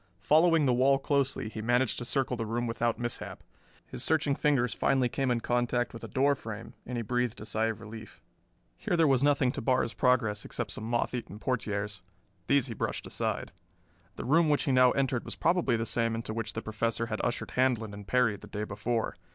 Following the wall closely he managed to circle the room without mishap. His searching fingers finally came in contact with a door frame, and he breathed a sigh of relief. Here there was nothing to bar his progress except some moth eaten portieres. These he brushed aside. The room which he now entered was probably the same into which the Professor had ushered Handlon and Perry the day before.